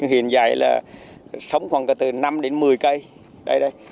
hiện dạy là sống khoảng từ năm đến một mươi cây